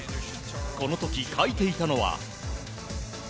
この時、書いていたのは。